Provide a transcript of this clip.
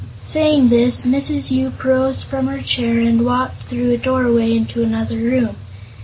Saying this, Mrs. Yoop rose from her chair and walked through a doorway into another room.